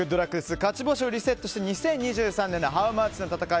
勝ち星をリセットして２０２３年のハウマッチの戦い